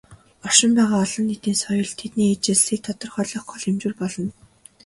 Оршин байгаа "олон нийтийн соёл" тэдний ижилслийг тодорхойлох гол хэмжүүр болно.